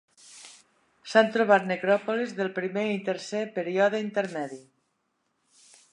S'han trobat necròpolis del primer i tercer període intermedi.